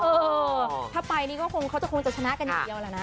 เออถ้าไปนี่ก็คงเขาจะคงจะชนะกันอย่างเดียวแหละนะ